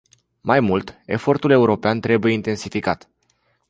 Mai mult, efortul european trebuie intensificat.